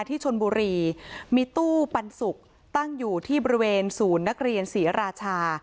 ที่ชนบุรีมีตู้ปันสุกตั้งอยู่ที่บริเวณศูนย์นักเรียนศรีราชา